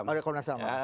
oh dari komnas ham